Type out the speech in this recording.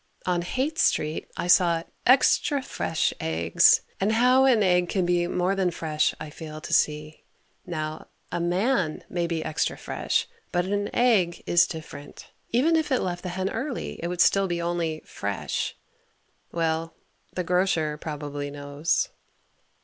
On Haight street I saw "extra fresh eggs" and how an egg can be more than "fresh" I fail to see. Now, a man may be "extra fresh," but an egg is different. Even if it left the hen early it would still be only "fresh." Well, the grocer probably knows.